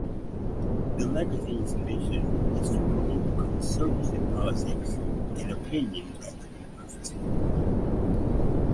The magazine's mission is to promote conservative politics and opinion at the University.